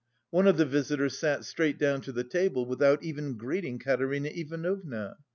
One of the visitors sat straight down to the table without even greeting Katerina Ivanovna.